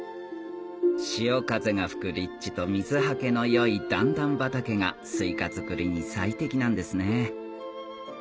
潮風が吹く立地と水はけの良い段々畑がスイカ作りに最適なんですね